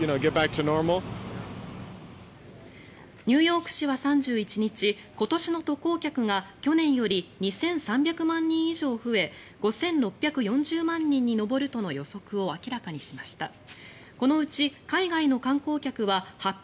ニューヨーク市は３１日今年の渡航客が去年より２３００万人以上増え５６４０万人に上るとの予測を明らかにしました。